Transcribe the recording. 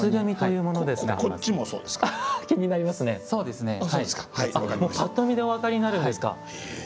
もうパッと見でお分かりになるんですか。